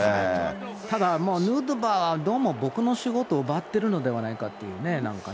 ただ、ヌートバーはどうも僕の仕事を奪ってるのではないかというね、なんかね。